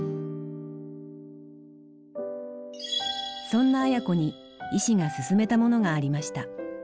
そんな綾子に医師が勧めたものがありました。